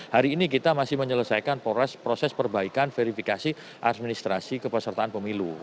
hari ini kita masih menyelesaikan proses perbaikan verifikasi administrasi kepesertaan pemilu